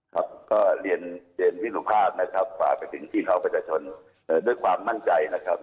ครับก็เรียนพี่สุภาพนะครับฝากไปถึงพี่น้องประชาชนด้วยความมั่นใจนะครับ